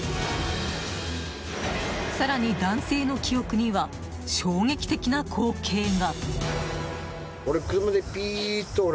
更に、男性の記憶には衝撃的な光景が。